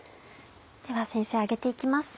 では先生揚げて行きます。